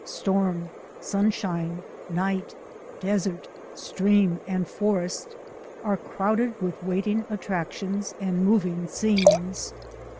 Storm, sunshine, night, desert, stream, and forest are crowded with waiting attractions and moving scenes.